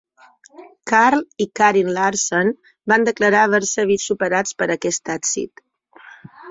Carl i Karin Larsson van declarar haver-se vist superats per aquest èxit.